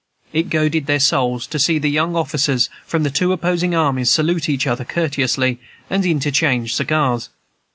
It goaded their souls to see the young officers from the two opposing armies salute each other courteously, and interchange cigars.